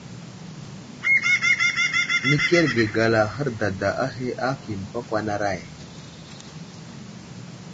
Nəkerge gala hərdada ahe aki məpakwanaray.